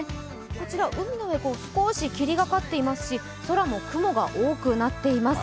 こちら海の上に少し霧がかかっていますし、空も雲が多くなっています。